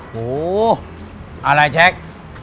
โหอะไรแชค